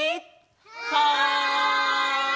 はい！